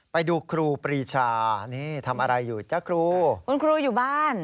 ไปดูครูปรีชานี่ทำอะไรอยู่จ๊ะครูคุณครูอยู่บ้าน